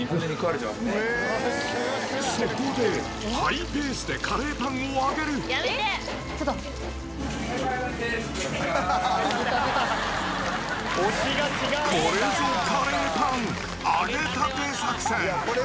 そこで、ハイペースでカレーカレーパン、これぞカレーパン、揚げたて作戦。